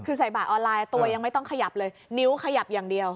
คือใส่บาทออนไลน์ตัวยังไม่ต้องขยับเลยนิ้วขยับอย่างเดียว